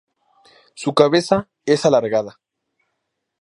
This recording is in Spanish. Su cabeza es alargada.